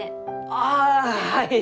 ああはい！